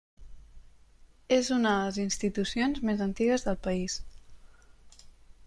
És una de les institucions més antigues del país.